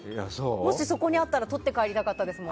もしそこにあったら取って帰りたかったですもん。